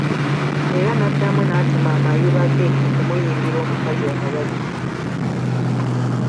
Era n'addamu n'atuma amayuba ge okumuyimbira omukazi omubajje.